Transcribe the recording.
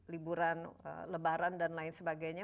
liburan lebaran dan lain sebagainya